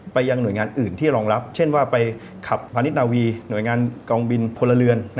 ยังหน่วยงานอื่นที่รองรับเช่นว่าไปขับพาณิชนาวีหน่วยงานกองบินพลเรือน